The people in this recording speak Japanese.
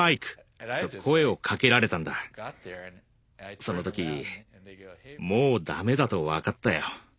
その時もう駄目だと分かったよ。